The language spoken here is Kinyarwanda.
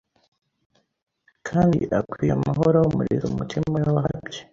kandi akwiye amahoro ahumuriza umutima we wahabye”